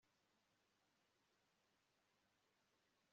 buri umwe mubantu bane bakwirakwiza, abangamiwe numusenyi